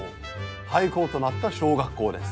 廃校となった小学校です。